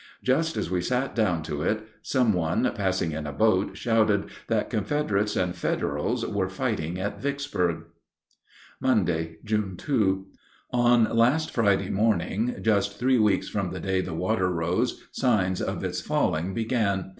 Just as we sat down to it, some one passing in a boat shouted that Confederates and Federals were fighting at Vicksburg. Monday, June 2. On last Friday morning, just three weeks from the day the water rose, signs of its falling began.